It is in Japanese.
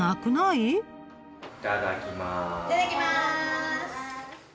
いただきます！